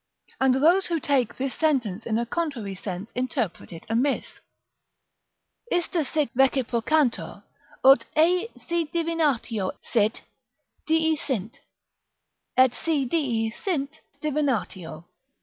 25] And those who take this sentence in a contrary sense interpret it amiss: "Ista sic reciprocantur, ut et si divinatio sit, dii sint; et si dii lint, sit divinatio."